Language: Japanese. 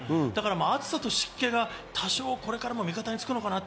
暑さと湿気が多少これからも味方につくかなと。